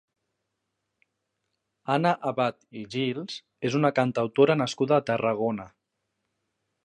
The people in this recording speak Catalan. Anna Abad i Gils és una cantautora nascuda a Tarragona.